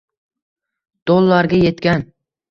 dollarga etgan